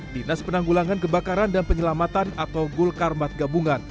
dinas penanggulangan kebakaran dan penyelamatan atau gulkar mat gabungan